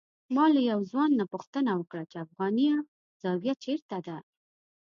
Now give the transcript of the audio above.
ما له یو ځوان نه پوښتنه وکړه چې افغانیه زاویه چېرته ده.